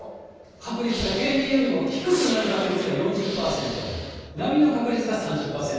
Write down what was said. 確率が平年よりも低くなる確率が４０％、並みの確率が３０％。